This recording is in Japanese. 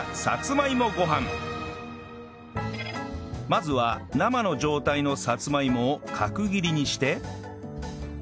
まずは生の状態のさつまいもを角切りにして